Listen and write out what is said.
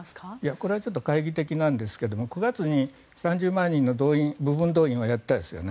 これはちょっと懐疑的ですが９月に３０万人の部分動員はやったですよね。